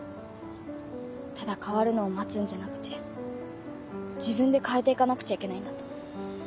ただ変わるのを待つんじゃなくて自分で変えていかなくちゃいけないんだと。